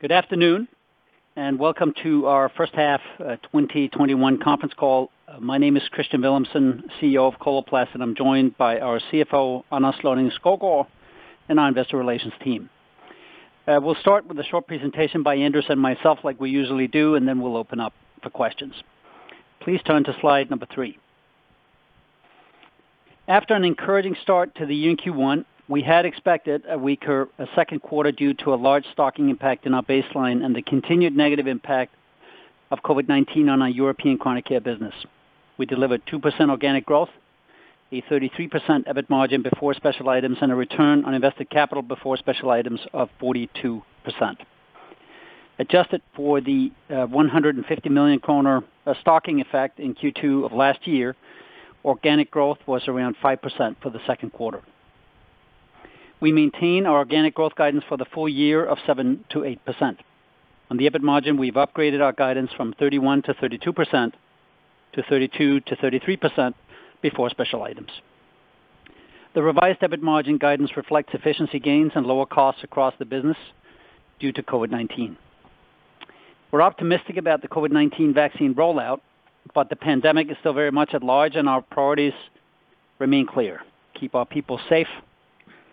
Good afternoon, and welcome to our first half 2021 conference call. My name is Kristian Villumsen, CEO of Coloplast, and I'm joined by our CFO, Anders Lonning-Skovgaard, and our investor relations team. We'll start with a short presentation by Anders and myself like we usually do, and then we'll open up for questions. Please turn to slide number three. After an encouraging start to the year in Q1, we had expected a weaker second quarter due to a large stocking impact in our baseline and the continued negative impact of COVID-19 on our European chronic care business. We delivered 2% organic growth, a 33% EBIT margin before special items, and a return on invested capital before special items of 42%. Adjusted for the 150 million kroner stocking effect in Q2 of last year, organic growth was around 5% for the second quarter. We maintain our organic growth guidance for the full year of 7%-8%. On the EBIT margin, we've upgraded our guidance from 31%-32% to 32%-33% before special items. The revised EBIT margin guidance reflects efficiency gains and lower costs across the business due to COVID-19. We're optimistic about the COVID-19 vaccine rollout, but the pandemic is still very much at large, and our priorities remain clear: keep our people safe,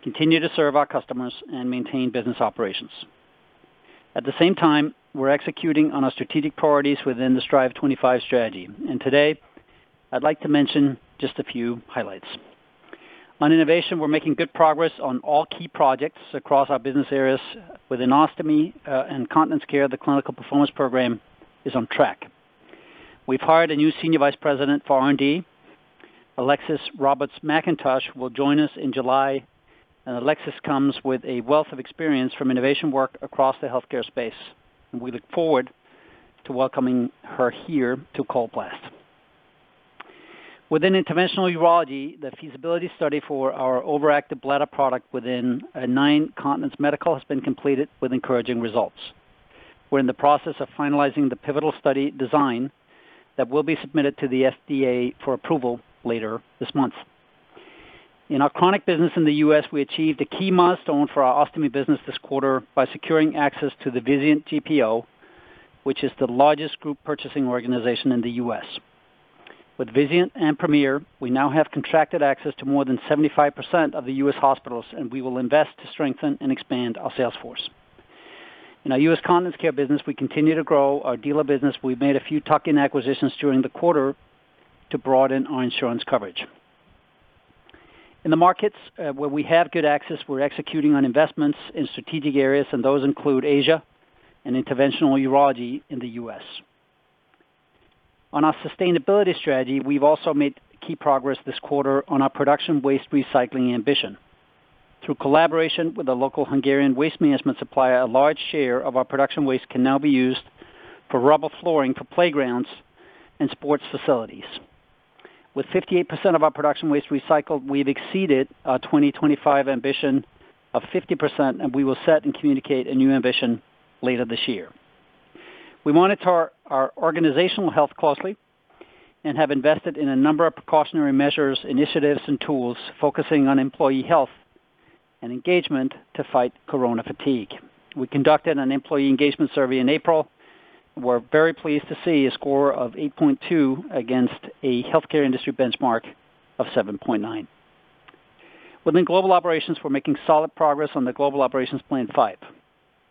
continue to serve our customers, and maintain business operations. At the same time, we're executing on our strategic priorities within the Strive25 strategy, and today, I'd like to mention just a few highlights. On innovation, we're making good progress on all key projects across our business areas. Within ostomy and continence care, the clinical performance program is on track. We've hired a new senior vice president for R&D. Alexis Roberts-McIntosh will join us in July. Alexis comes with a wealth of experience from innovation work across the healthcare space. We look forward to welcoming her here to Coloplast. Within interventional urology, the feasibility study for our overactive bladder product within Nine Continents Medical has been completed with encouraging results. We're in the process of finalizing the pivotal study design that will be submitted to the FDA for approval later this month. In our chronic business in the U.S., we achieved a key milestone for our ostomy business this quarter by securing access to the Vizient GPO, which is the largest group purchasing organization in the U.S. With Vizient and Premier, we now have contracted access to more than 75% of the U.S. hospitals. We will invest to strengthen and expand our sales force. In our U.S. continence care business, we continue to grow our dealer business. We've made a few tuck-in acquisitions during the quarter to broaden our insurance coverage. In the markets where we have good access, we're executing on investments in strategic areas, and those include Asia and interventional urology in the U.S. On our sustainability strategy, we've also made key progress this quarter on our production waste recycling ambition. Through collaboration with a local Hungarian waste management supplier, a large share of our production waste can now be used for rubber flooring for playgrounds and sports facilities. With 58% of our production waste recycled, we've exceeded our 2025 ambition of 50%, and we will set and communicate a new ambition later this year. We monitor our organizational health closely and have invested in a number of precautionary measures, initiatives, and tools focusing on employee health and engagement to fight corona fatigue. We conducted an employee engagement survey in April. We're very pleased to see a score of 8.2 against a healthcare industry benchmark of 7.9. Within global operations, we're making solid progress on the Global Operations Plan 5.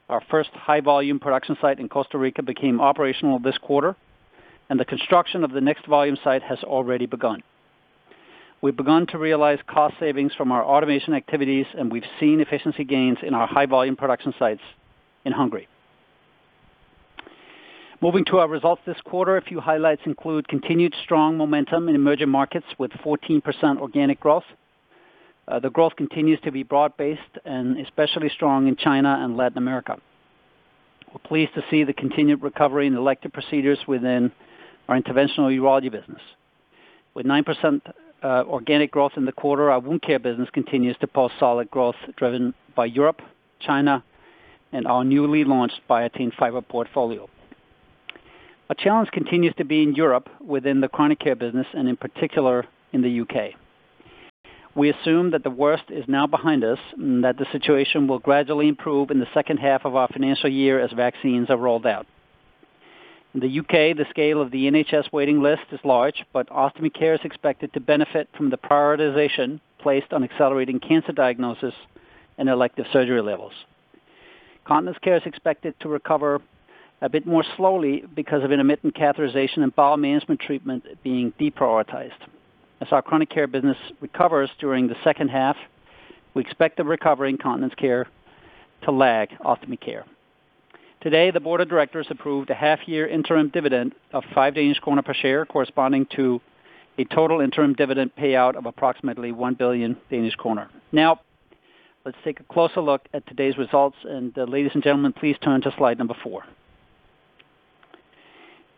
Our first high-volume production site in Costa Rica became operational this quarter, and the construction of the next volume site has already begun. We've begun to realize cost savings from our automation activities, and we've seen efficiency gains in our high-volume production sites in Hungary. Moving to our results this quarter, a few highlights include continued strong momentum in emerging markets with 14% organic growth. The growth continues to be broad-based and especially strong in China and Latin America. We're pleased to see the continued recovery in elective procedures within our interventional urology business. With 9% organic growth in the quarter, our wound care business continues to post solid growth driven by Europe, China, and our newly launched Biatain Fiber portfolio. A challenge continues to be in Europe within the chronic care business, and in particular in the U.K. We assume that the worst is now behind us and that the situation will gradually improve in the second half of our financial year as vaccines are rolled out. In the U.K., the scale of the NHS waiting list is large, but ostomy care is expected to benefit from the prioritization placed on accelerating cancer diagnosis and elective surgery levels. Continence care is expected to recover a bit more slowly because of intermittent catheterization and bowel management treatment being deprioritized. As our chronic care business recovers during the second half, we expect the recovery in continence care to lag ostomy care. Today, the board of directors approved a half-year interim dividend of 5 Danish kroner per share, corresponding to a total interim dividend payout of approximately 1 billion Danish kroner. Now, let's take a closer look at today's results. Ladies and gentlemen, please turn to slide number four.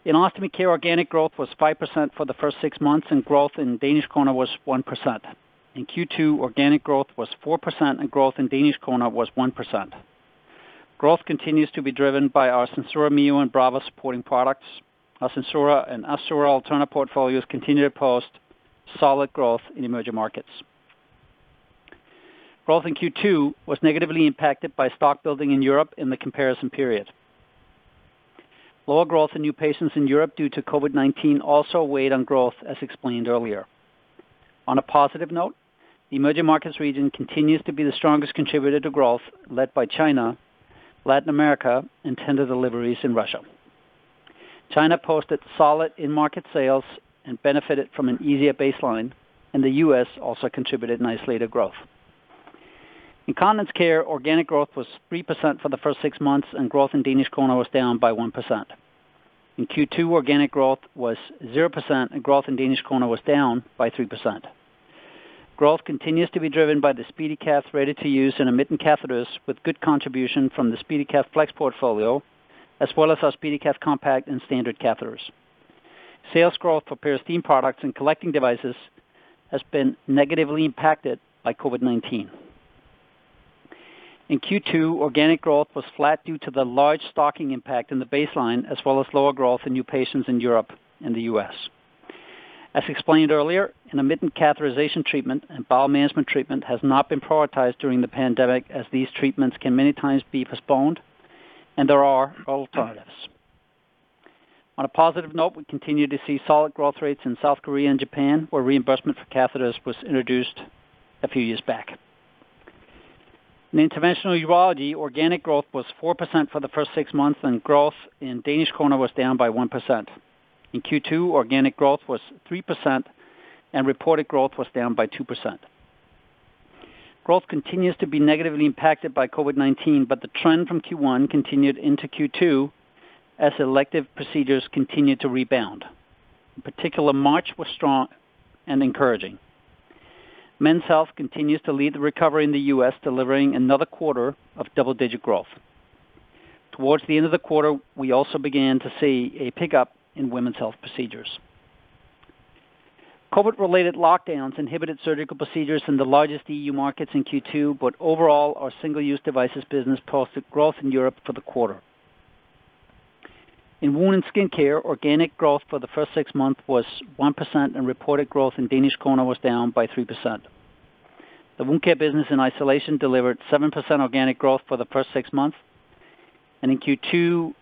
In ostomy care, organic growth was 5% for the first six months, and growth in DKK was 1%. In Q2, organic growth was 4%, and growth in DKK was 1%. Growth continues to be driven by our SenSura Mio and Brava supporting products. Our SenSura and Assura Alterna portfolios continue to post solid growth in emerging markets. Growth in Q2 was negatively impacted by stock building in Europe in the comparison period. Lower growth in new patients in Europe due to COVID-19 also weighed on growth, as explained earlier. On a positive note, the emerging markets region continues to be the strongest contributor to growth, led by China, Latin America, and tender deliveries in Russia. China posted solid in-market sales and benefited from an easier baseline. The U.S. also contributed nicely to growth. In continence care, organic growth was 3% for the first six months. Growth in DKK was down by 1%. In Q2, organic growth was 0%. Growth in DKK was down by 3%. Growth continues to be driven by the SpeediCath ready-to-use and intermittent catheters, with good contribution from the SpeediCath Flex portfolio, as well as our SpeediCath Compact and standard catheters. Sales growth for Peristeen products and collecting devices has been negatively impacted by COVID-19. In Q2, organic growth was flat due to the large stocking impact in the baseline, as well as lower growth in new patients in Europe and the U.S. As explained earlier, intermittent catheterization treatment and bowel management treatment has not been prioritized during the pandemic, as these treatments can many times be postponed, and there are alternatives. On a positive note, we continue to see solid growth rates in South Korea and Japan, where reimbursement for catheters was introduced a few years back. In interventional urology, organic growth was 4% for the first six months, and growth in DKK was down by 1%. In Q2, organic growth was 3%, and reported growth was down by 2%. Growth continues to be negatively impacted by COVID-19, but the trend from Q1 continued into Q2, as elective procedures continued to rebound. In particular, March was strong and encouraging. Men's health continues to lead the recovery in the U.S., delivering another quarter of double-digit growth. Towards the end of the quarter, we also began to see a pickup in women's health procedures. COVID-related lockdowns inhibited surgical procedures in the largest E.U. markets in Q2, overall, our single-use devices business posted growth in Europe for the quarter. In wound and skin care, organic growth for the first six months was 1%, reported growth in DKK was down by 3%. The wound care business in isolation delivered 7% organic growth for the first six months. In Q2,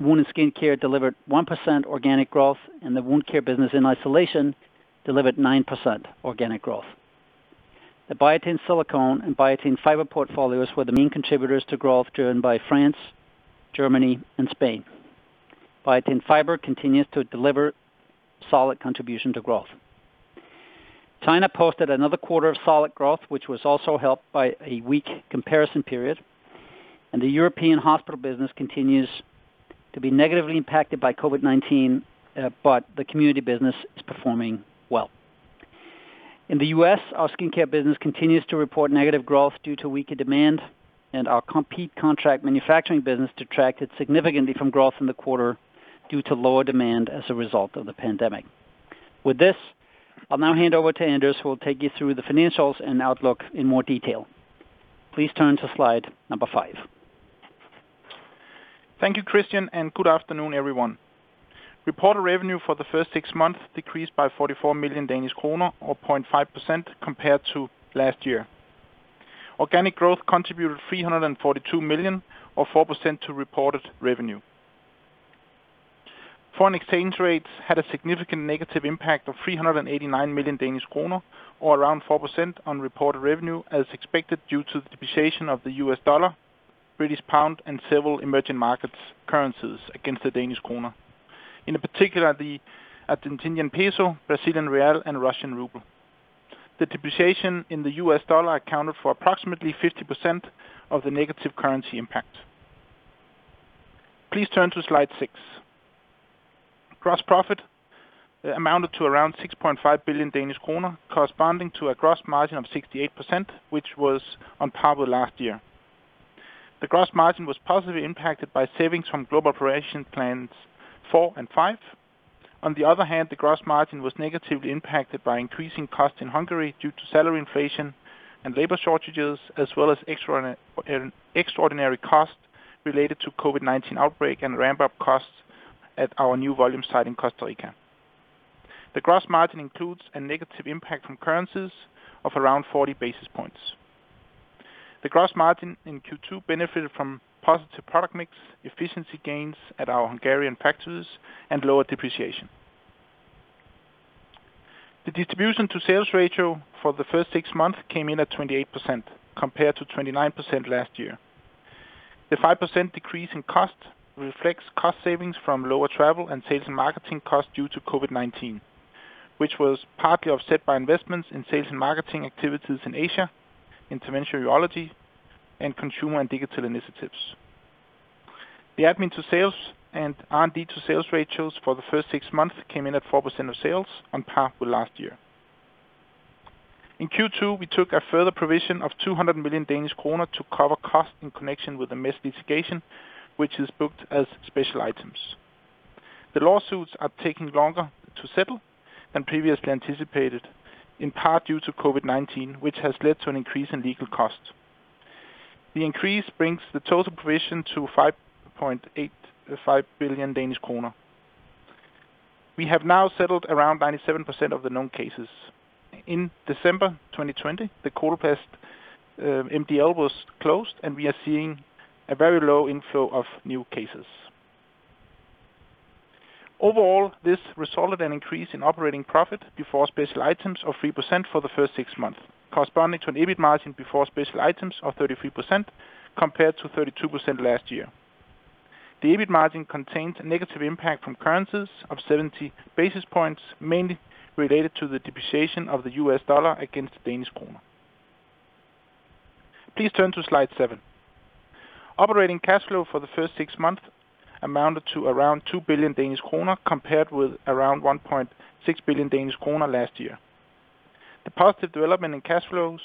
wound and skin care delivered 1% organic growth, the wound care business in isolation delivered 9% organic growth. The Biatain Silicone and Biatain Fiber portfolios were the main contributors to growth, driven by France, Germany, and Spain. Biatain Fiber continues to deliver solid contribution to growth. China posted another quarter of solid growth, which was also helped by a weak comparison period, and the European hospital business continues to be negatively impacted by COVID-19, but the community business is performing well. In the U.S., our skin care business continues to report negative growth due to weaker demand, and our Compeed contract manufacturing business detracted significantly from growth in the quarter due to lower demand as a result of the pandemic. With this, I'll now hand over to Anders, who will take you through the financials and outlook in more detail. Please turn to slide number five. Thank you, Kristian, and good afternoon, everyone. Reported revenue for the first six months decreased by 44 million Danish kroner, or 0.5% compared to last year. Organic growth contributed 342 million, or 4% to reported revenue. Foreign exchange rates had a significant negative impact of 389 million Danish kroner, or around 4% on reported revenue, as expected due to the depreciation of the USD, GBP, and several emerging markets currencies against the DKK. In particular, the Argentinian peso, Brazilian real, and Russian ruble. The depreciation in the USD accounted for approximately 50% of the negative currency impact. Please turn to slide six. Gross profit amounted to around 6.5 billion Danish kroner, corresponding to a gross margin of 68%, which was on par with last year. The gross margin was positively impacted by savings from Global Operation Plans 4 and 5. On the other hand, the gross margin was negatively impacted by increasing costs in Hungary due to salary inflation and labor shortages, as well as extraordinary costs related to COVID-19 outbreak and ramp-up costs at our new volume site in Costa Rica. The gross margin includes a negative impact from currencies of around 40 basis points. The gross margin in Q2 benefited from positive product mix, efficiency gains at our Hungarian factories, and lower depreciation. The distribution to sales ratio for the first six months came in at 28%, compared to 29% last year. The 5% decrease in cost reflects cost savings from lower travel and sales and marketing costs due to COVID-19, which was partly offset by investments in sales and marketing activities in Asia, interventional urology, and consumer and digital initiatives. The admin to sales and R&D to sales ratios for the first six months came in at 4% of sales, on par with last year. In Q2, we took a further provision of 200 million Danish kroner to cover costs in connection with the mesh litigation, which is booked as special items. The lawsuits are taking longer to settle than previously anticipated, in part due to COVID-19, which has led to an increase in legal costs. The increase brings the total provision to 5.85 billion Danish kroner. We have now settled around 97% of the known cases. In December 2020, the Coloplast MDL was closed, and we are seeing a very low inflow of new cases. Overall, this resulted in an increase in operating profit before special items of 3% for the first six months, corresponding to an EBIT margin before special items of 33% compared to 32% last year. The EBIT margin contains a negative impact from currencies of 70 basis points, mainly related to the depreciation of the US dollar against the Danish krone. Please turn to slide seven. Operating cash flow for the first six months amounted to around 2 billion Danish kroner, compared with around 1.6 billion Danish kroner last year. The positive development in cash flows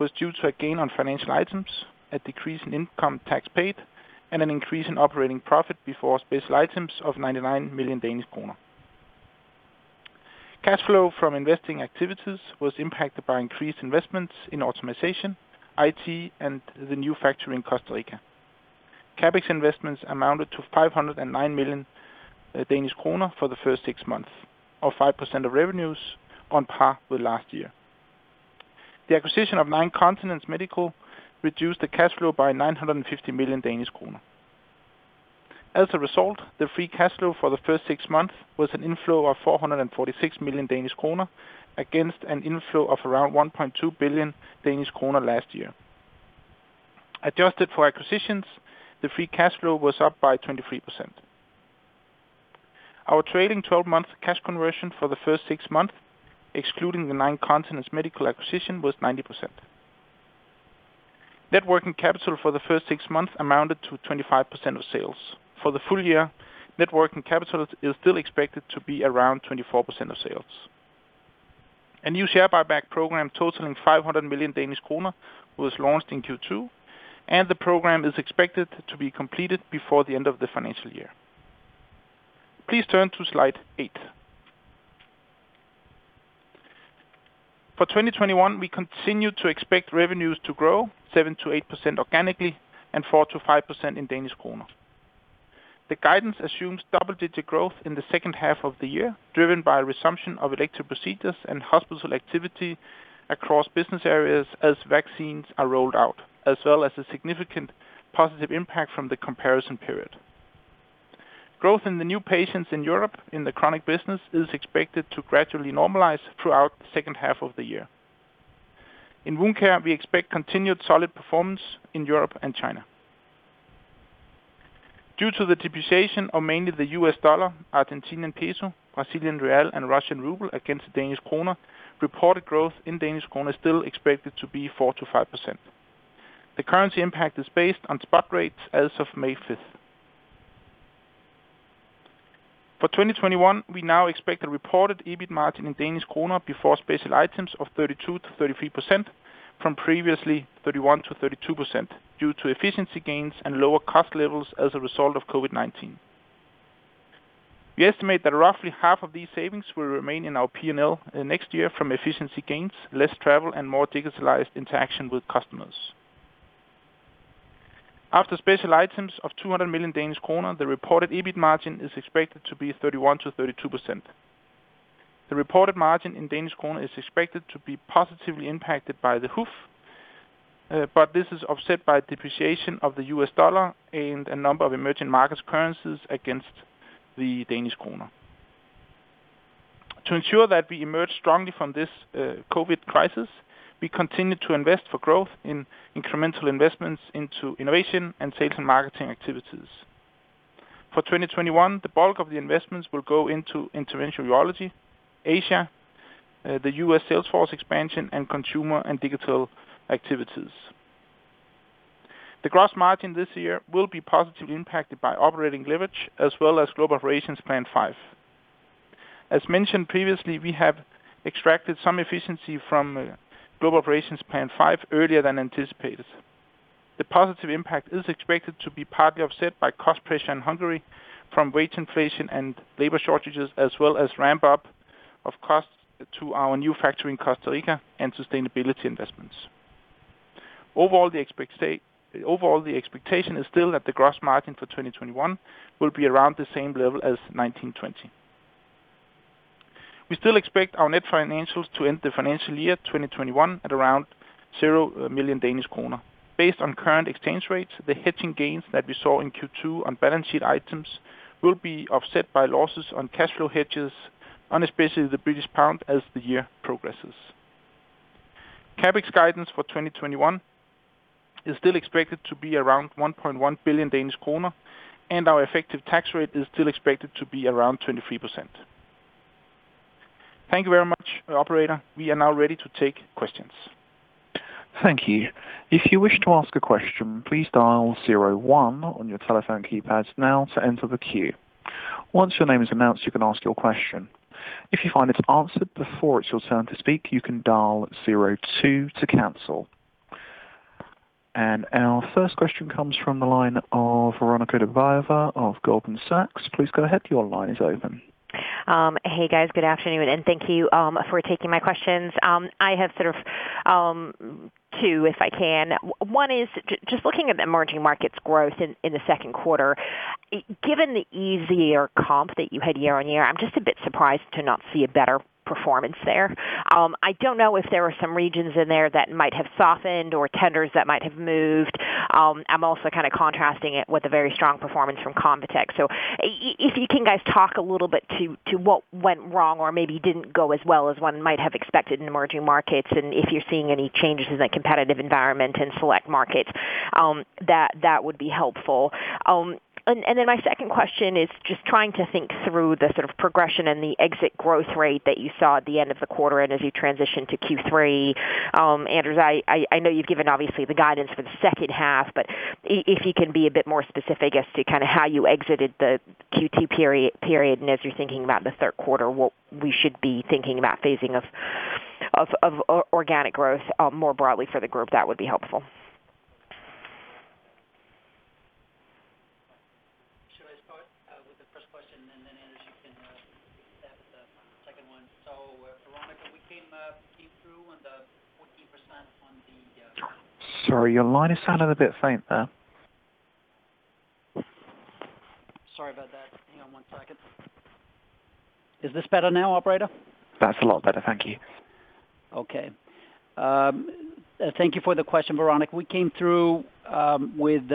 was due to a gain on financial items, a decrease in income tax paid, and an increase in operating profit before special items of 99 million Danish kroner. Cash flow from investing activities was impacted by increased investments in automation, IT, and the new factory in Costa Rica. CapEx investments amounted to 509 million Danish kroner for the first six months, or 5% of revenues, on par with last year. The acquisition of Nine Continents Medical reduced the cash flow by 950 million Danish kroner. As a result, the free cash flow for the first six months was an inflow of 446 million Danish kroner against an inflow of around 1.2 billion Danish kroner last year. Adjusted for acquisitions, the free cash flow was up by 23%. Our trailing 12-month cash conversion for the first six months, excluding the Nine Continents Medical acquisition, was 90%. Net working capital for the first six months amounted to 25% of sales. For the full year, net working capital is still expected to be around 24% of sales. A new share buyback program totaling 500 million Danish kroner was launched in Q2, and the program is expected to be completed before the end of the financial year. Please turn to slide eight. For 2021, we continue to expect revenues to grow 7%-8% organically and 4%-5% in Danish krone. The guidance assumes double-digit growth in the second half of the year, driven by a resumption of elective procedures and hospital activity across business areas as vaccines are rolled out, as well as a significant positive impact from the comparison period. Growth in the new patients in Europe in the chronic business is expected to gradually normalize throughout the second half of the year. In Wound Care, we expect continued solid performance in Europe and China. Due to the depreciation of mainly the U.S. dollar, Argentinian peso, Brazilian real, and Russian ruble against the Danish krone, reported growth in Danish krone is still expected to be 4%-5%. The currency impact is based on spot rates as of May 5th. For 2021, we now expect a reported EBIT margin in Danish krone before special items of 32%-33%, from previously 31%-32%, due to efficiency gains and lower cost levels as a result of COVID-19. We estimate that roughly half of these savings will remain in our P&L next year from efficiency gains, less travel, and more digitalized interaction with customers. After special items of 200 million Danish kroner, the reported EBIT margin is expected to be 31%-32%. The reported margin in Danish krone is expected to be positively impacted by the HUF, but this is offset by depreciation of the US dollar and a number of emerging markets currencies against the Danish krone. To ensure that we emerge strongly from this COVID crisis, we continue to invest for growth in incremental investments into innovation and sales and marketing activities. For 2021, the bulk of the investments will go into interventional urology, Asia, the U.S. salesforce expansion, and consumer and digital activities. The gross margin this year will be positively impacted by operating leverage as well as Global Operations Plan 5. As mentioned previously, we have extracted some efficiency from Global Operations Plan 5 earlier than anticipated. The positive impact is expected to be partly offset by cost pressure in Hungary from wage inflation and labor shortages, as well as ramp-up of costs to our new factory in Costa Rica and sustainability investments. Overall, the expectation is still that the gross margin for 2021 will be around the same level as 2019/2020. We still expect our net financials to end the financial year 2021 at around 0 million Danish kroner. Based on current exchange rates, the hedging gains that we saw in Q2 on balance sheet items will be offset by losses on cash flow hedges on especially the GBP as the year progresses. CapEx guidance for 2021 is still expected to be around 1.1 billion Danish kroner, and our effective tax rate is still expected to be around 23%. Thank you very much, operator. We are now ready to take questions. Thank you. Our first question comes from the line of Veronika Dubajova of Goldman Sachs. Please go ahead. Hey, guys. Good afternoon, and thank you for taking my questions. I have sort of. Two, if I can. One is, just looking at the emerging markets growth in the second quarter, given the easier comp that you had year-on-year, I'm just a bit surprised to not see a better performance there. I don't know if there were some regions in there that might have softened or tenders that might have moved. I'm also kind of contrasting it with a very strong performance from Convatec. If you can guys talk a little bit to what went wrong or maybe didn't go as well as one might have expected in emerging markets, and if you're seeing any changes in the competitive environment in select markets, that would be helpful. My second question is just trying to think through the sort of progression and the exit growth rate that you saw at the end of the quarter and as you transition to Q3. Anders, I know you've given, obviously, the guidance for the second half, but if you can be a bit more specific as to how you exited the Q2 period, and as you're thinking about the third quarter, what we should be thinking about phasing of organic growth more broadly for the group, that would be helpful. Should I start with the first question and then, Anders, you can take the second one? Veronika, we came through on the 14%. Sorry, your line is sounding a bit faint there. Sorry about that. Hang on one second. Is this better now, operator? That's a lot better. Thank you. Okay. Thank you for the question, Veronika. We came through with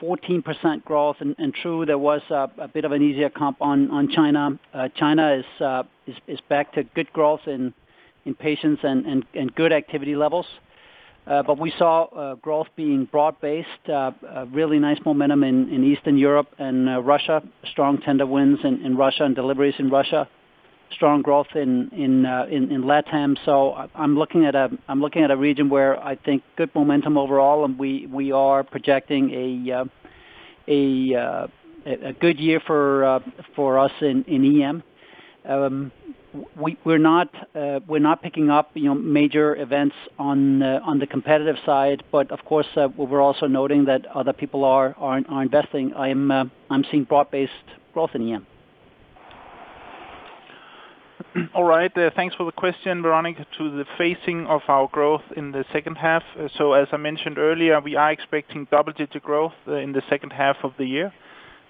14% growth, true, there was a bit of an easier comp on China. China is back to good growth in patients and good activity levels. We saw growth being broad-based, really nice momentum in Eastern Europe and Russia, strong tender wins in Russia, and deliveries in Russia, strong growth in LATAM. I'm looking at a region where I think good momentum overall, and we are projecting a good year for us in EM. We're not picking up major events on the competitive side. Of course, we're also noting that other people are investing. I'm seeing broad-based growth in EM. All right. Thanks for the question, Veronika. To the phasing of our growth in the second half, as I mentioned earlier, we are expecting double-digit growth in the second half of the year.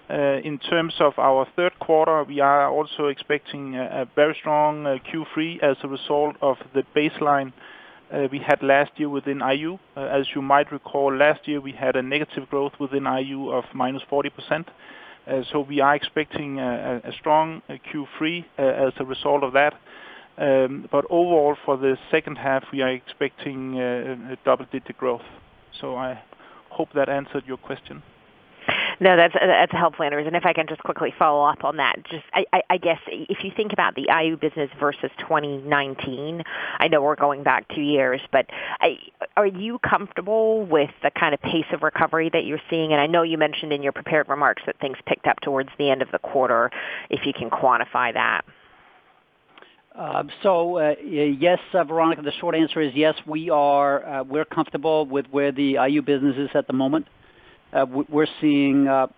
In terms of our third quarter, we are also expecting a very strong Q3 as a result of the baseline we had last year within IU. As you might recall, last year, we had a negative growth within IU of -40%. We are expecting a strong Q3 as a result of that. Overall, for the second half, we are expecting double-digit growth. I hope that answered your question. No, that's helpful, Anders. If I can just quickly follow up on that, I guess if you think about the IU business versus 2019, I know we're going back two years, but are you comfortable with the kind of pace of recovery that you're seeing? I know you mentioned in your prepared remarks that things picked up towards the end of the quarter, if you can quantify that. Yes, Veronika, the short answer is yes, we're comfortable with where the IU business is at the moment. We're seeing a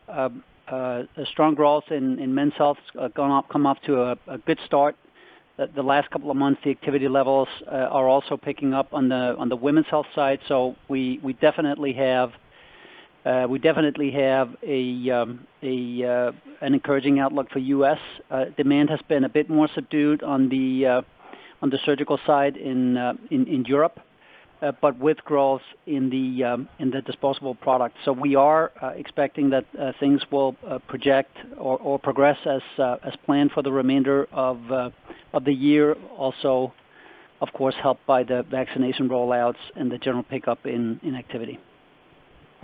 strong growth in men's health, come up to a good start. The last couple of months, the activity levels are also picking up on the women's health side. We definitely have an encouraging outlook for U.S. Demand has been a bit more subdued on the surgical side in Europe, but with growth in the disposable product. We are expecting that things will project or progress as planned for the remainder of the year, also, of course, helped by the vaccination rollouts and the general pickup in activity.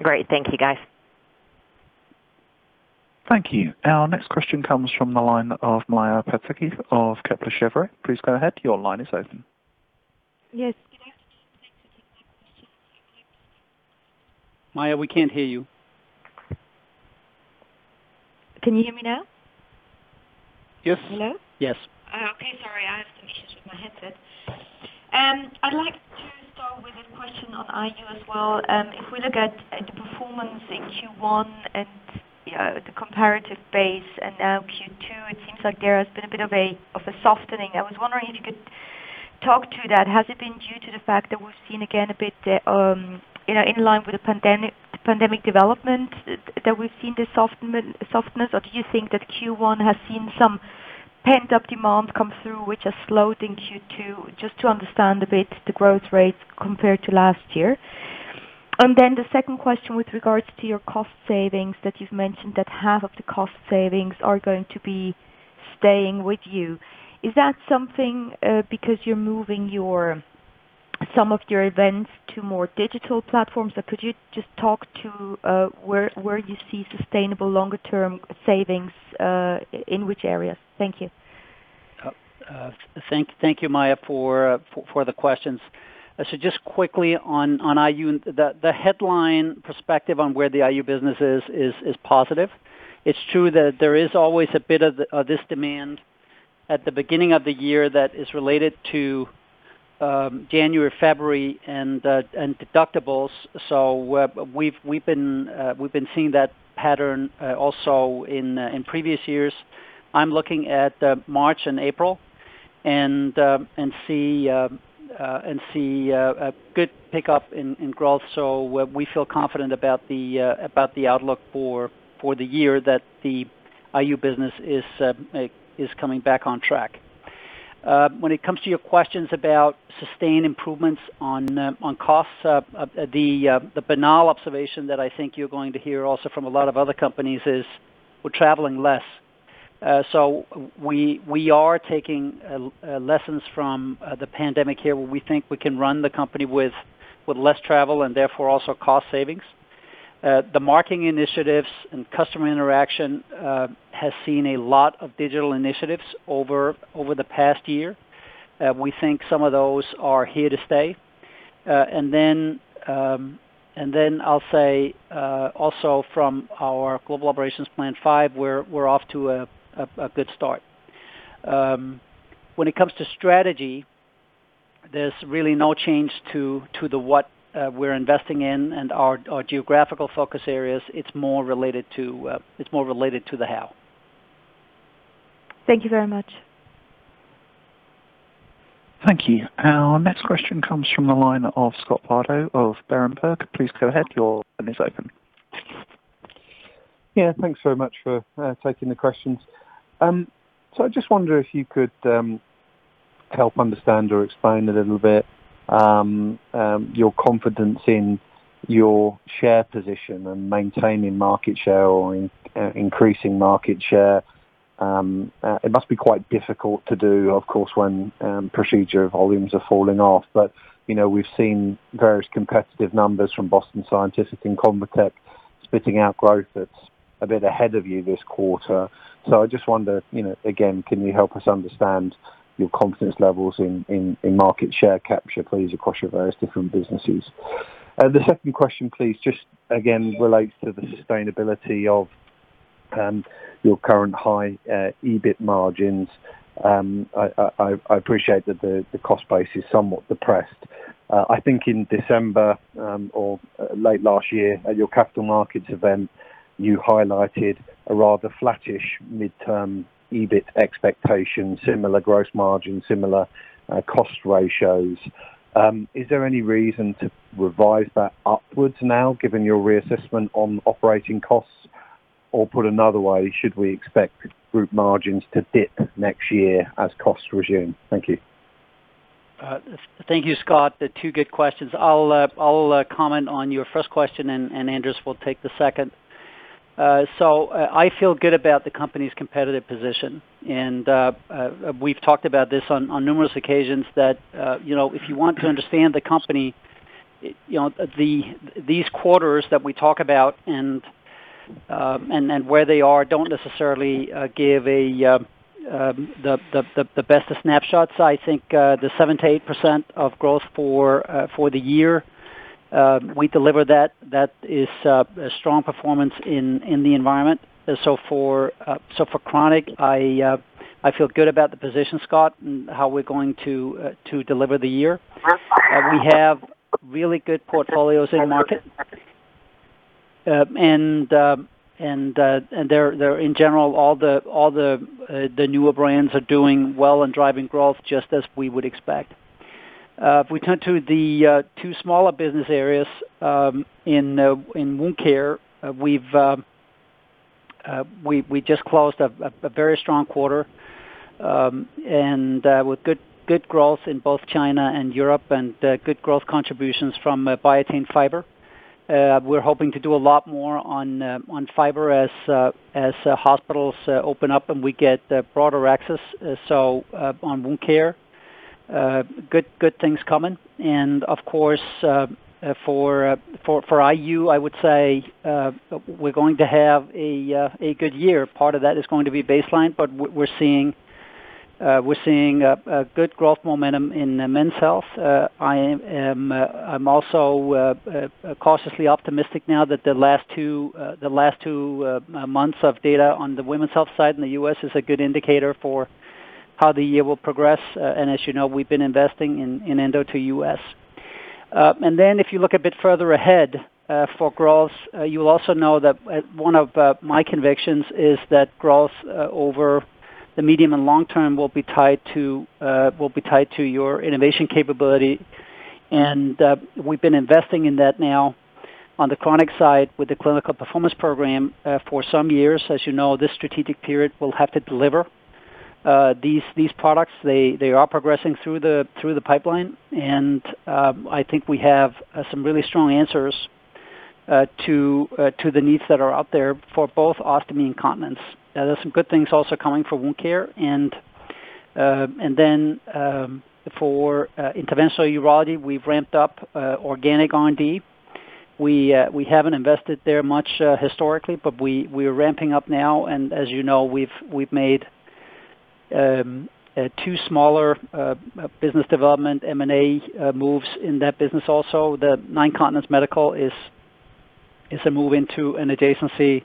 Great. Thank you, guys. Thank you. Our next question comes from the line of Maja Pataki of Kepler Cheuvreux. Please go ahead. Your line is open. Yes. Good afternoon. Thanks for taking my questions. Maja, we can't hear you. Can you hear me now? Yes. Hello? Yes. Okay. Sorry. I had some issues with my headset. I'd like to start with a question on IU as well. If we look at the performance in Q1 and the comparative base and now Q2, it seems like there has been a bit of a softening. I was wondering if you could talk to that. Has it been due to the fact that we've seen again a bit in line with the pandemic development, that we've seen this softness? Or do you think that Q1 has seen some pent-up demand come through, which has slowed in Q2? Just to understand a bit the growth rate compared to last year. The second question with regards to your cost savings that you've mentioned that half of the cost savings are going to be staying with you, is that something because you're moving some of your events to more digital platforms? Could you just talk to where you see sustainable longer-term savings, in which areas? Thank you. Thank you, Maja, for the questions. Just quickly on IU, the headline perspective on where the IU business is positive. It's true that there is always a bit of this demand at the beginning of the year that is related to January, February, and deductibles. We've been seeing that pattern also in previous years. I'm looking at March and April, and see a good pickup in growth. We feel confident about the outlook for the year that the IU business is coming back on track. When it comes to your questions about sustained improvements on costs, the banal observation that I think you're going to hear also from a lot of other companies is we're traveling less. We are taking lessons from the pandemic here, where we think we can run the company with less travel and therefore also cost savings. The marketing initiatives and customer interaction has seen a lot of digital initiatives over the past year. We think some of those are here to stay. I'll say, also from our Global Operations Plan 5, we're off to a good start. When it comes to strategy, there's really no change to the what we're investing in and our geographical focus areas. It's more related to the how. Thank you very much. Thank you. Our next question comes from the line of Scott Bardo of Berenberg. Please go ahead. Your line is open. Yeah. Thanks very much for taking the questions. I just wonder if you could help understand or explain a little bit your confidence in your share position and maintaining market share or increasing market share. It must be quite difficult to do, of course, when procedure volumes are falling off. We've seen various competitive numbers from Boston Scientific and Convatec spitting out growth that's a bit ahead of you this quarter. I just wonder, again, can you help us understand your confidence levels in market share capture, please, across your various different businesses? The second question, please, just again, relates to the sustainability of your current high EBIT margins. I appreciate that the cost base is somewhat depressed. I think in December or late last year at your capital markets event, you highlighted a rather flattish midterm EBIT expectation, similar gross margin, similar cost ratios. Is there any reason to revise that upwards now, given your reassessment on operating costs? Or put another way, should we expect group margins to dip next year as costs resume? Thank you. Thank you, Scott. Two good questions. I'll comment on your first question, and Anders will take the second. I feel good about the company's competitive position, and we've talked about this on numerous occasions that if you want to understand the company, these quarters that we talk about and where they are don't necessarily give the best of snapshots. I think the 7%-8% of growth for the year, we deliver that. That is a strong performance in the environment. For chronic, I feel good about the position, Scott, and how we're going to deliver the year. We have really good portfolios in market. There in general, all the newer brands are doing well and driving growth just as we would expect. If we turn to the two smaller business areas, in wound care, we just closed a very strong quarter, and with good growth in both China and Europe and good growth contributions from Biatain Fiber. We're hoping to do a lot more on fiber as hospitals open up and we get broader access. On wound care, good things coming. Of course, for IU, I would say we're going to have a good year. Part of that is going to be baseline, but we're seeing a good growth momentum in men's health. I'm also cautiously optimistic now that the last two months of data on the women's health side in the U.S. is a good indicator for how the year will progress. As you know, we've been investing in Endourology to U.S. If you look a bit further ahead for growth, you'll also know that one of my convictions is that growth over the medium and long term will be tied to your innovation capability, and we've been investing in that now on the chronic side with the clinical performance program for some years. As you know, this strategic period will have to deliver these products. They are progressing through the pipeline, and I think we have some really strong answers to the needs that are out there for both ostomy and continence. There's some good things also coming for wound care, and then for interventional urology, we've ramped up organic R&D. We haven't invested there much historically, but we are ramping up now. As you know, we've made two smaller business development M&A moves in that business also. The Nine Continents Medical is a move into an adjacency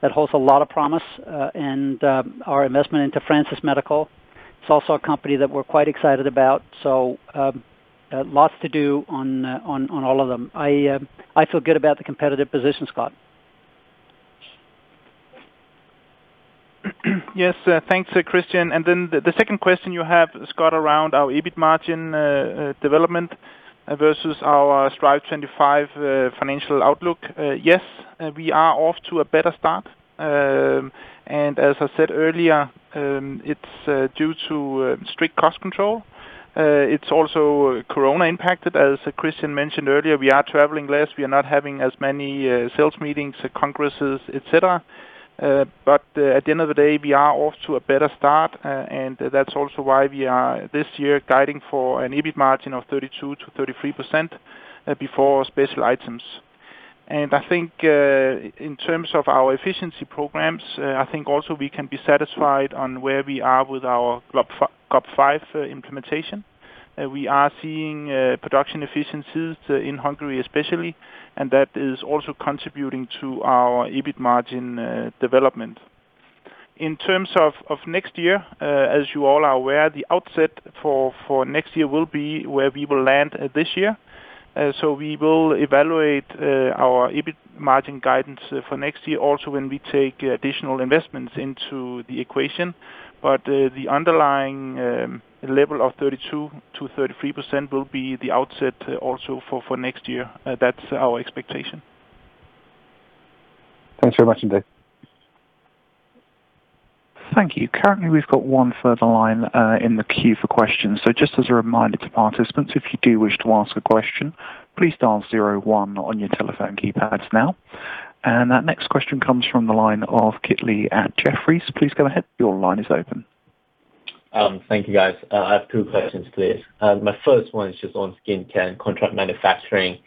that holds a lot of promise, and our investment into Francis Medical. It's also a company that we're quite excited about. Lots to do on all of them. I feel good about the competitive position, Scott. Yes. Thanks, Kristian Villumsen. The second question you have, Scott Bardo, around our EBIT margin development versus our Strive25 financial outlook. Yes, we are off to a better start. As I said earlier, it's due to strict cost control. It's also COVID impacted. As Kristian Villumsen mentioned earlier, we are traveling less, we are not having as many sales meetings, congresses, et cetera. At the end of the day, we are off to a better start, and that's also why we are, this year, guiding for an EBIT margin of 32%-33% before special items. I think, in terms of our efficiency programs, I think also we can be satisfied on where we are with our GOP5 implementation. We are seeing production efficiencies in Hungary especially, and that is also contributing to our EBIT margin development. In terms of next year, as you all are aware, the outset for next year will be where we will land this year. We will evaluate our EBIT margin guidance for next year also when we take additional investments into the equation. The underlying level of 32%-33% will be the outset also for next year. That's our expectation. Thanks very much indeed. Thank you. Currently, we've got one further line in the queue for questions. Just as a reminder to participants, if you do wish to ask a question, please dial zero one on your telephone keypads now. That next question comes from the line of Kit Lee at Jefferies. Thank you, guys. I have two questions, please. My first one is just on skin care and contract manufacturing.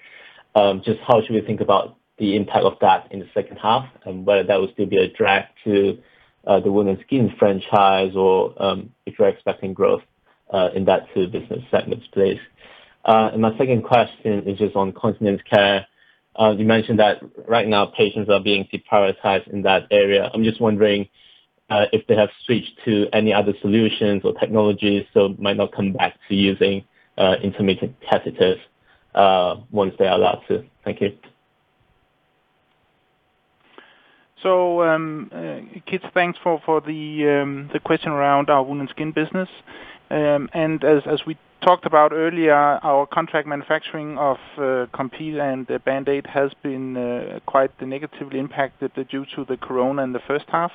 How should we think about the impact of that in the second half, and whether that would still be a drag to the Wound and Skin franchise, or if you're expecting growth in that business segment, please. My second question is just on Continence Care. You mentioned that right now patients are being deprioritized in that area. I'm just wondering if they have switched to any other solutions or technologies that might not come back to using intermittent catheters once they are allowed to. Thank you. Kit, thanks for the question around our wound and skin business. As we talked about earlier, our contract manufacturing of Compeed and Band-Aid has been quite negatively impacted due to the COVID in the first half.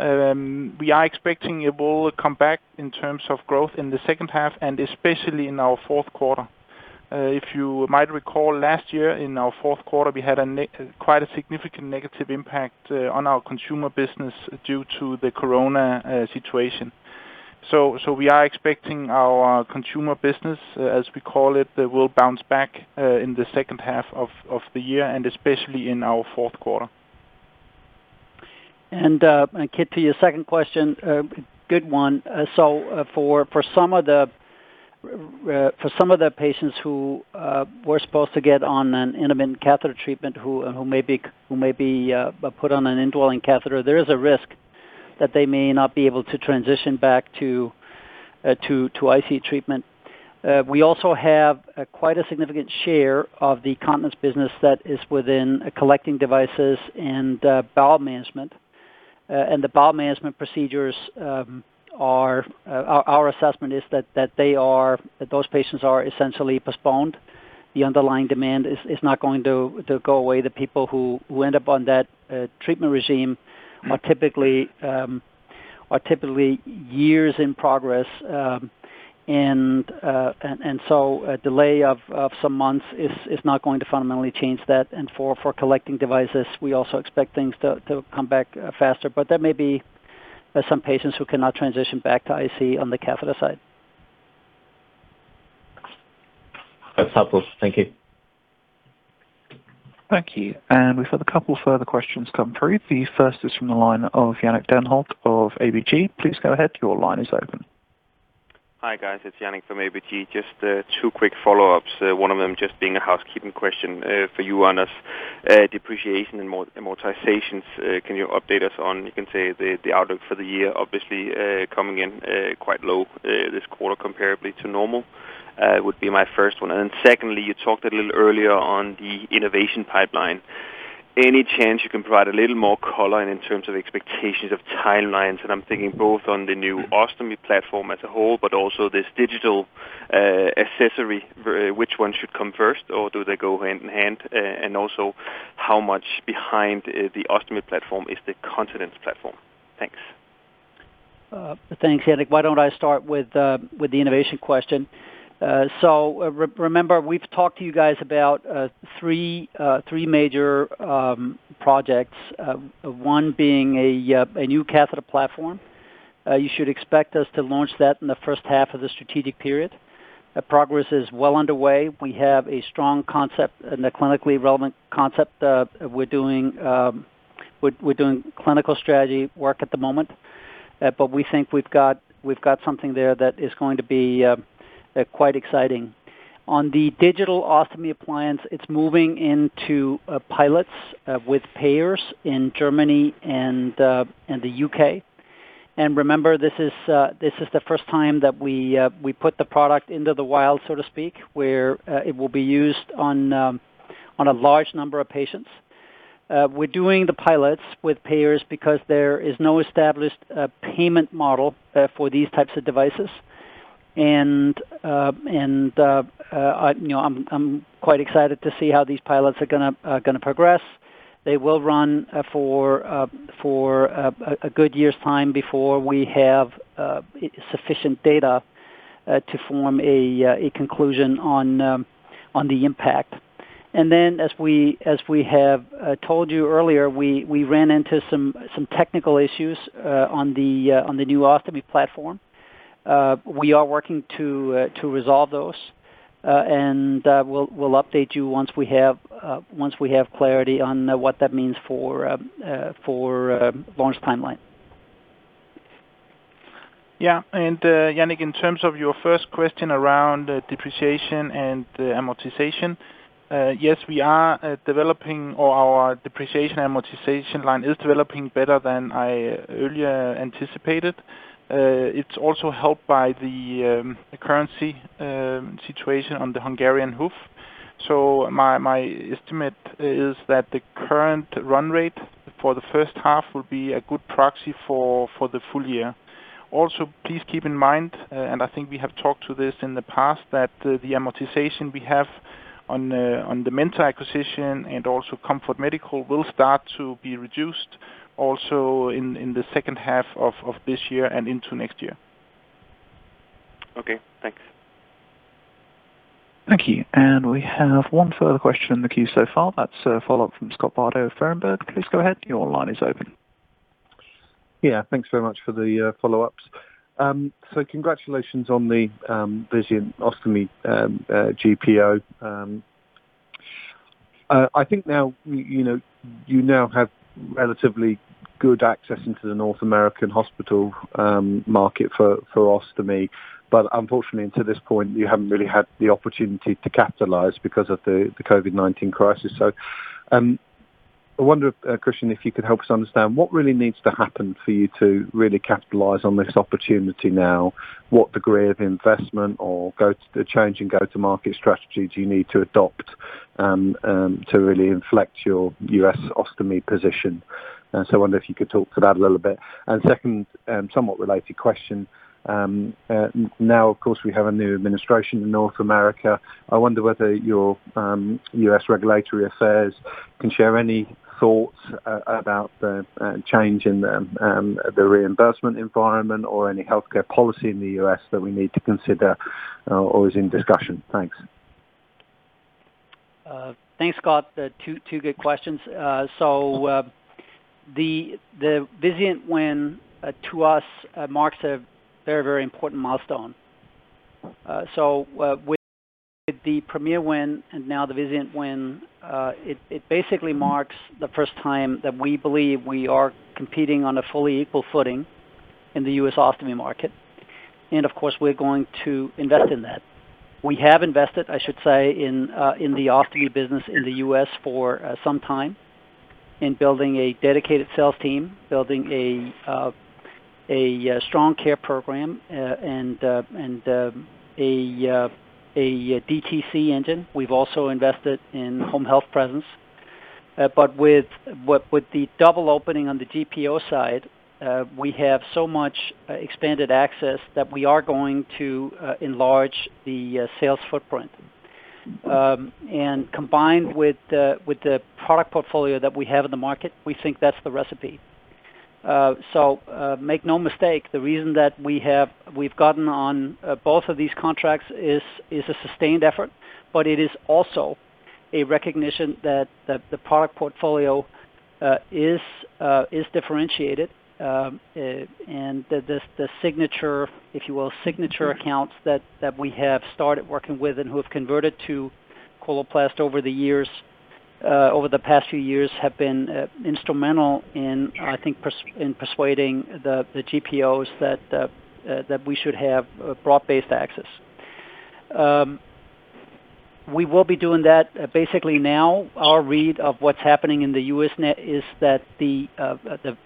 We are expecting it will come back in terms of growth in the second half and especially in our fourth quarter. If you might recall, last year in our fourth quarter, we had quite a significant negative impact on our consumer business due to the COVID situation. We are expecting our consumer business, as we call it, will bounce back in the second half of the year and especially in our fourth quarter. Kit, to your second question, good one. For some of the patients who were supposed to get on an intermittent catheter treatment who may be put on an indwelling catheter, there is a risk that they may not be able to transition back to IC treatment. We also have quite a significant share of the continence business that is within collecting devices and bowel management. The bowel management procedures, our assessment is that those patients are essentially postponed. The underlying demand is not going to go away. The people who end up on that treatment regime are typically years in progress. A delay of some months is not going to fundamentally change that. For collecting devices, we also expect things to come back faster. There may be some patients who cannot transition back to IC on the catheter side. That's helpful. Thank you. Thank you. We've had a couple further questions come through. The first is from the line of Jannick Denholt of ABG. Please go ahead. Your line is open. Hi, guys. It's Jannick from ABG. Just two quick follow-ups, one of them just being a housekeeping question for you, Anders. Depreciation and amortizations, can you update us on, you can say, the outlook for the year? Obviously, coming in quite low this quarter comparably to normal, would be my first one. Then secondly, you talked a little earlier on the innovation pipeline. Any chance you can provide a little more color in terms of expectations of timelines? I'm thinking both on the new ostomy platform as a whole, but also this digital accessory, which one should come first, or do they go hand in hand? Also, how much behind the ostomy platform is the continence platform? Thanks. Thanks, Jannick. Why don't I start with the innovation question? Remember, we've talked to you guys about three major projects, one being a new catheter platform. You should expect us to launch that in the first half of the strategic period. Progress is well underway. We have a strong concept and a clinically relevant concept. We're doing clinical strategy work at the moment. We think we've got something there that is going to be quite exciting. On the digital ostomy appliance, it's moving into pilots with payers in Germany and the U.K. Remember, this is the first time that we put the product into the wild, so to speak, where it will be used on a large number of patients. We're doing the pilots with payers because there is no established payment model for these types of devices. I'm quite excited to see how these pilots are going to progress. They will run for a good year's time before we have sufficient data to form a conclusion on the impact. As we have told you earlier, we ran into some technical issues on the new ostomy platform. We are working to resolve those, and we'll update you once we have clarity on what that means for launch timeline. Yeah. Jannick, in terms of your first question around depreciation and amortization, yes, our depreciation amortization line is developing better than I earlier anticipated. It's also helped by the currency situation on the Hungarian forint. My estimate is that the current run rate for the first half will be a good proxy for the full year. Also, please keep in mind, and I think we have talked to this in the past, that the amortization we have on the Atos Medical acquisition and also Comfort Medical will start to be reduced also in the second half of this year and into next year. Okay, thanks. Thank you. And we have one further question in the queue so far. That's a follow-up from Scott Bardo of Berenberg. Please go ahead. Your line is open. Yeah, thanks very much for the follow-ups. Congratulations on the Vizient ostomy GPO. I think you now have relatively good access into the North American hospital market for ostomy, but unfortunately, to this point, you haven't really had the opportunity to capitalize because of the COVID-19 crisis. I wonder, Kristian, if you could help us understand what really needs to happen for you to really capitalize on this opportunity now, what degree of investment or change in go-to-market strategy do you need to adopt to really inflect your U.S. ostomy position? I wonder if you could talk to that a little bit. Second, somewhat related question. Now, of course, we have a new administration in North America. I wonder whether your U.S. regulatory affairs can share any thoughts about the change in the reimbursement environment or any healthcare policy in the U.S. that we need to consider or is in discussion. Thanks. Thanks, Scott. Two good questions. The Vizient win to us marks a very important milestone. With the Premier win and now the Vizient win, it basically marks the first time that we believe we are competing on a fully equal footing in the U.S. ostomy market. Of course, we're going to invest in that. We have invested, I should say, in the ostomy business in the U.S. for some time in building a dedicated sales team, building a strong care program, and a DTC engine. We've also invested in home health presence. With the double opening on the GPO side, we have so much expanded access that we are going to enlarge the sales footprint. Combined with the product portfolio that we have in the market, we think that's the recipe. Make no mistake, the reason that we've gotten on both of these contracts is a sustained effort, but it is also a recognition that the product portfolio is differentiated, and the signature, if you will, signature accounts that we have started working with and who have converted to Coloplast over the past few years have been instrumental in, I think, in persuading the GPOs that we should have broad-based access. We will be doing that basically now. Our read of what's happening in the U.S. is that the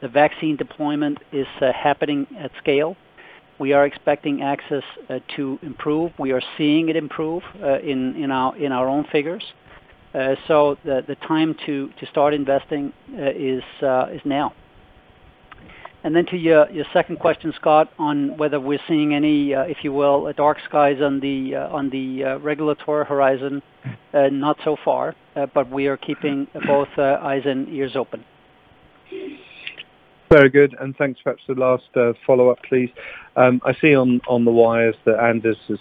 vaccine deployment is happening at scale. We are expecting access to improve. We are seeing it improve in our own figures. The time to start investing is now. Then to your second question, Scott, on whether we're seeing any, if you will, dark skies on the regulatory horizon, not so far, but we are keeping both eyes and ears open. Very good. Thanks. Perhaps the last follow-up, please. I see on the wires that Anders has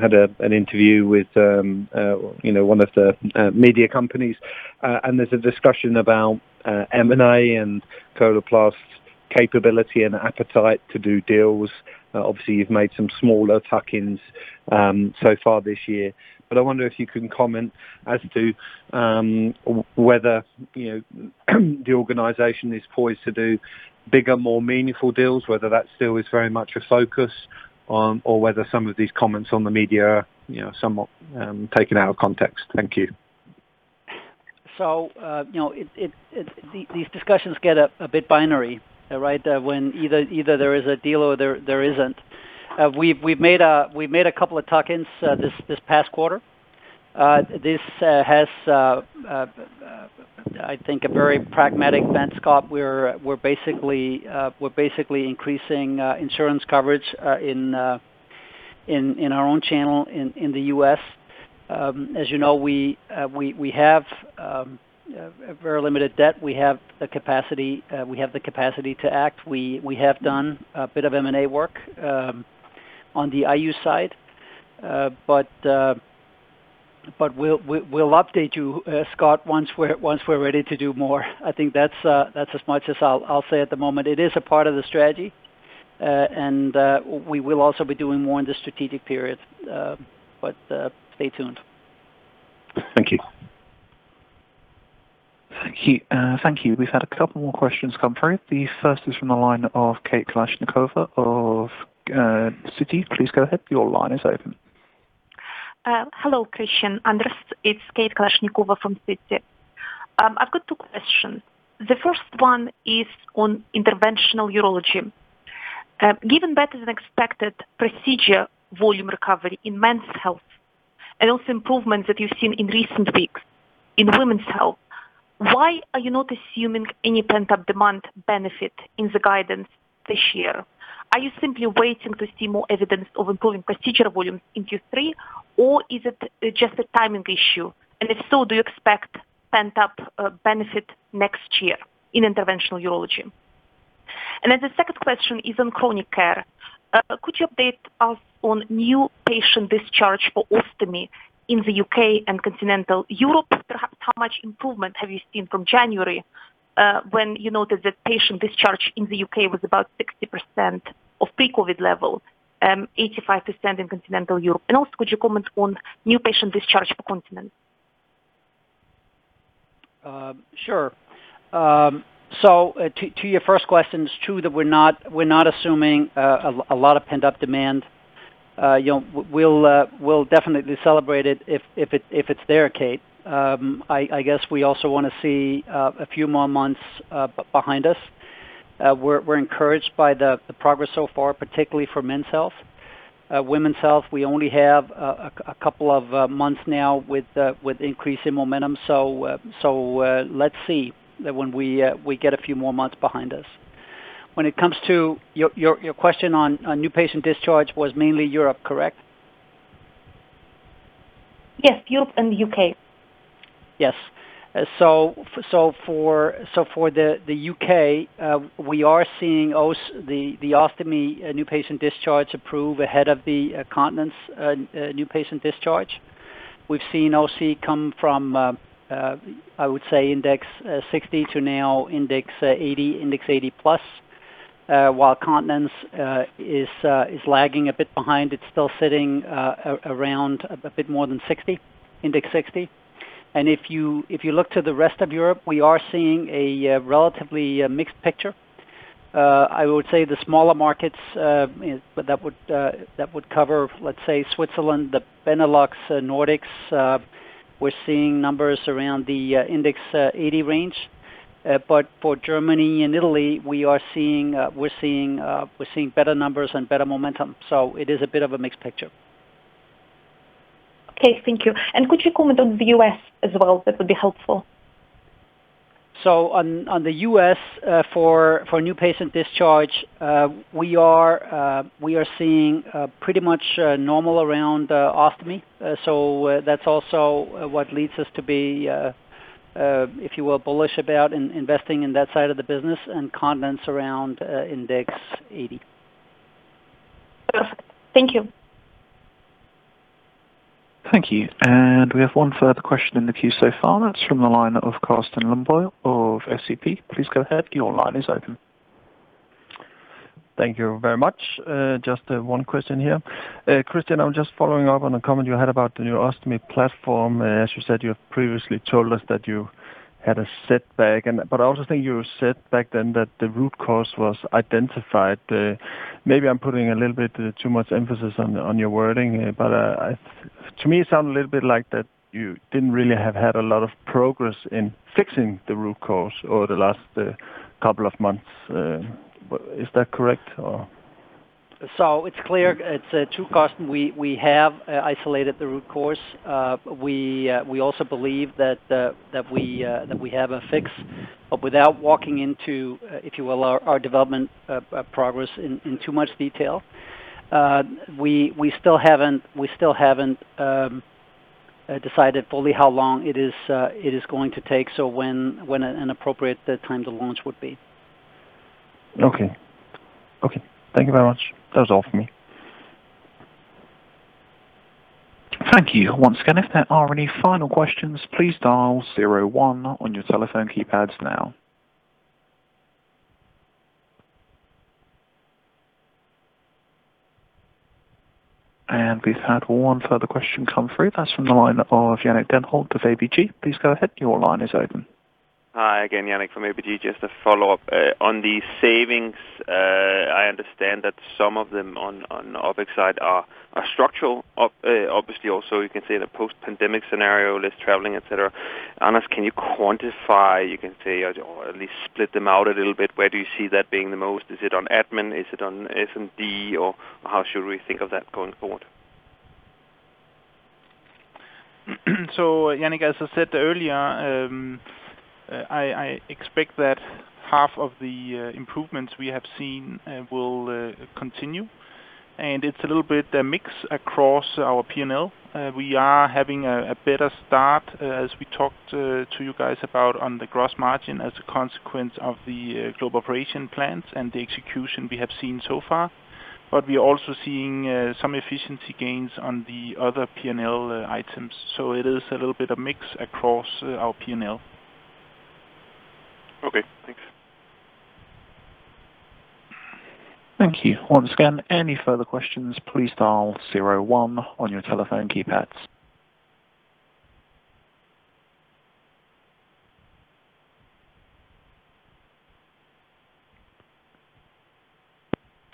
had an interview with one of the media companies, and there's a discussion about M&A and Coloplast's capability and appetite to do deals. Obviously, you've made some smaller tuck-ins so far this year. I wonder if you can comment as to whether the organization is poised to do bigger, more meaningful deals, whether that still is very much a focus, or whether some of these comments on the media are somewhat taken out of context. Thank you. These discussions get a bit binary, right? When either there is a deal or there isn't. We've made a couple of tuck-ins this past quarter. This has, I think, a very pragmatic bent, Scott. We're basically increasing insurance coverage in our own channel in the U.S. As you know, we have very limited debt. We have the capacity to act. We have done a bit of M&A work on the IU side. We'll update you, Scott, once we're ready to do more. I think that's as much as I'll say at the moment. It is a part of the strategy, and we will also be doing more in the strategic period. Stay tuned. Thank you. Thank you. We've had a couple more questions come through. The first is from the line of Kate Kalashnikova of Citigroup. Please go ahead. Your line is open. Hello, Kristian, Anders. It's Kate Kalashnikova from Citigroup. I've got two questions. The first one is on interventional urology. Given better-than-expected procedure volume recovery in men's health and also improvements that you've seen in recent weeks in women's health, why are you not assuming any pent-up demand benefit in the guidance this year? Are you simply waiting to see more evidence of improving procedure volume in Q3, or is it just a timing issue? If so, do you expect pent-up benefit next year in interventional urology? The second question is on chronic care. Could you update us on new patient discharge for ostomy in the U.K. and continental Europe? Perhaps how much improvement have you seen from January, when you noted that patient discharge in the U.K. was about 60% of pre-COVID level, 85% in continental Europe. Also, could you comment on new patient discharge for continent? Sure. To your first question, it's true that we're not assuming a lot of pent-up demand. We'll definitely celebrate it if it's there, Kate. I guess we also want to see a few more months behind us. We're encouraged by the progress so far, particularly for men's health. Women's health, we only have a couple of months now with increase in momentum, so let's see when we get a few more months behind us. When it comes to your question on new patient discharge was mainly Europe, correct? Yes, Europe and the U.K. Yes. For the U.K., we are seeing the ostomy new patient discharge improve ahead of the continence new patient discharge. We've seen OC come from, I would say, index 60 to now index 80, index 80 plus, while continence is lagging a bit behind. It's still sitting around a bit more than 60, index 60. If you look to the rest of Europe, we are seeing a relatively mixed picture. I would say the smaller markets that would cover, let's say, Switzerland, the Benelux, Nordics, we're seeing numbers around the index 80 range. For Germany and Italy, we're seeing better numbers and better momentum. It is a bit of a mixed picture. Okay. Thank you. Could you comment on the U.S. as well? That would be helpful. On the U.S., for new patient discharge, we are seeing pretty much normal around ostomy. That's also what leads us to be, if you will, bullish about investing in that side of the business and continence around index 80. Perfect. Thank you. Thank you. We have one further question in the queue so far. That's from the line of Carsten Lønborg of SEB. Please go ahead. Your line is open. Thank you very much. Just one question here. Kristian, I'm just following up on a comment you had about the new ostomy platform. As you said, you have previously told us that you had a setback, but I also think you said back then that the root cause was identified. Maybe I'm putting a little bit too much emphasis on your wording, but to me, it sound a little bit like that you didn't really have had a lot of progress in fixing the root cause over the last couple of months. Is that correct, or? It's clear. It's true, Carsten. We have isolated the root cause. We also believe that we have a fix, but without walking into, if you will, our development progress in too much detail. We still haven't decided fully how long it is going to take, so when an appropriate time to launch would be. Okay. Thank you very much. That was all for me. Thank you once again. If there are any final questions, please dial 01 on your telephone keypads now. We've had one further question come through. That's from the line of Jannick Denholt of ABG. Please go ahead. Your line is open. Hi, again, Jannick from ABG. Just a follow-up. On the savings, I understand that some of them on OpEx side are structural. Obviously, also you can say the post-pandemic scenario, less traveling, et cetera. Anders, can you quantify, you can say, or at least split them out a little bit, where do you see that being the most? Is it on admin? Is it on S&D, or how should we think of that going forward? Jannick, as I said earlier, I expect that half of the improvements we have seen will continue, and it's a little bit a mix across our P&L. We are having a better start, as we talked to you guys about on the gross margin as a consequence of the Global Operations Plans and the execution we have seen so far. We are also seeing some efficiency gains on the other P&L items. It is a little bit a mix across our P&L. Okay, thanks. Thank you. Once again, any further questions, please dial zero one on your telephone keypads.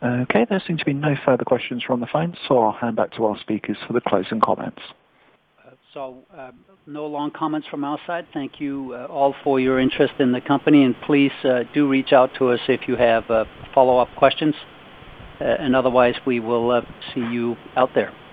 Okay, there seem to be no further questions from the phones, I'll hand back to our speakers for the closing comments. No long comments from our side. Thank you all for your interest in the company, and please do reach out to us if you have follow-up questions. Otherwise, we will see you out there.